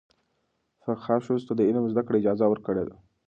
فقهاء ښځو ته د علم زده کړې اجازه ورکړې ده.